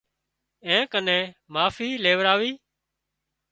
اين ڪنين معافي ليوراوي